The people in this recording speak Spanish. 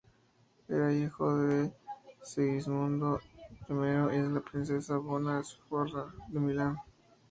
Era hijo de Segismundo I y de la princesa Bona Sforza de Milán.